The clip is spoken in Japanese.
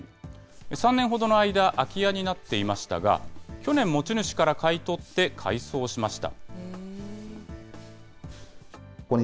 ３年ほどの間、空き家になっていましたが、去年、持ち主から買い取って、改装しました。